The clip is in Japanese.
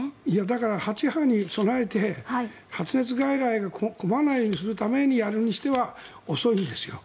だから、第８波に備えて発熱外来が混まないようにするためにやるにしては遅いんですよ。